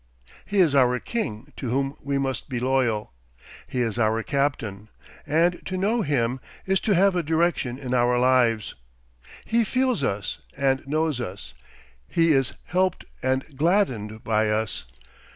He is our king to whom we must be loyal; he is our captain, and to know him is to have a direction in our lives. He feels us and knows us; he is helped and gladdened by us.